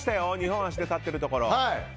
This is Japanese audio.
２本足で立ってるところ。